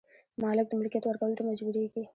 مالک د ملکیت ورکولو ته مجبوریږي.